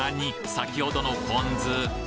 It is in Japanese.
先ほどのポン酢？